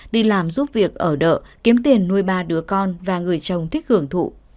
đi làm giúp việc ở đợi kiếm tiền nuôi ba đứa con và người chồng thích hưởng thụ